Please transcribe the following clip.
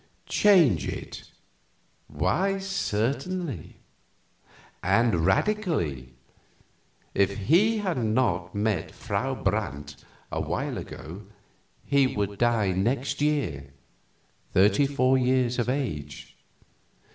"Change it? Why, certainly. And radically. If he had not met Frau Brandt awhile ago he would die next year, thirty four years of age.